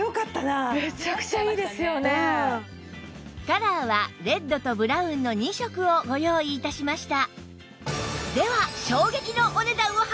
カラーはレッドとブラウンの２色をご用意致しました